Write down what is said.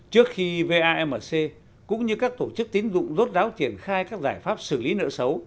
trước khi vamc cũng như các tổ chức tín dụng rốt ráo triển khai các giải pháp xử lý nợ xấu